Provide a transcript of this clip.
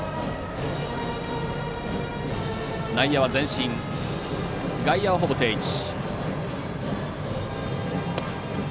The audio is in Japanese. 内野前進、外野はほぼ定位置。